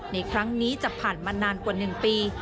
ในครั้งนี้จะผ่านมานานกว่า๑ปี